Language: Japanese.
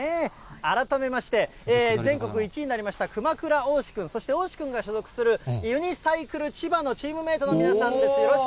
改めまして、全国１位になりました熊倉おうし君、そしておうし君が所属するユニサイクルちばのチームメートの皆さんです。